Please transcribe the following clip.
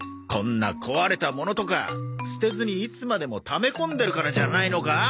こんな壊れたものとか捨てずにいつまでもため込んでるからじゃないのか？